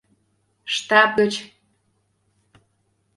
— Штаб гыч...